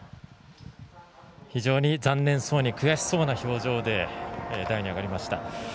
非常に残念そうに悔しそうな表情で台に上がりました。